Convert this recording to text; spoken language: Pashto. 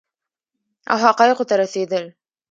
او حقایقو ته رسیدل